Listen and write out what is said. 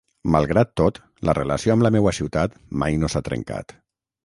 Malgrat tot, la relació amb la meua ciutat mai no s'ha trencat.